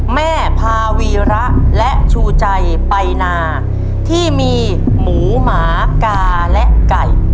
พาวีระและชูใจไปนาที่มีหมูหมากาและไก่